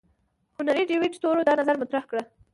هنري ډیویډ تورو دا نظریه مطرح کړه.